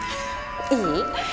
いい？